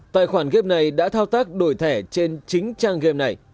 tài khoản gap này đã thao tác đổi thẻ trên chính trang game này